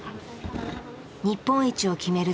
日本一を決める